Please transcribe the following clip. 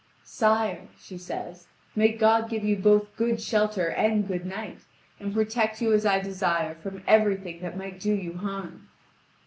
"Sire," she says, "may God give you both good shelter and good night, and protect you as I desire from everything that might do you harm!"